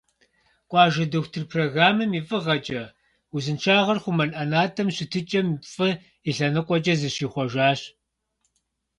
«Къуажэ дохутыр» программэм и фӀыгъэкӀэ, узыншагъэр хъумэн ӀэнатӀэм щытыкӀэм фӀы и лъэныкъуэкӀэ зыщихъуэжащ.